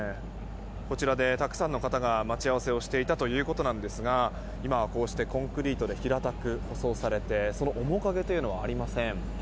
こちらでたくさんの方が待ち合わせをしていたということなんですが今はこうしてコンクリートで平たく舗装されてその面影というのはありません。